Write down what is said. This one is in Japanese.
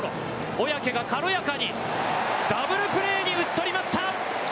小宅が軽やかにダブルプレーに打ち取りました。